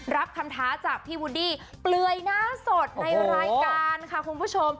รับคำท้าจากพี่วุดดี้เปลือยหน้าสดในรายการค่ะคุณผู้ชม